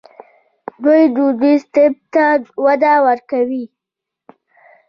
دوی دودیز طب ته وده ورکوي.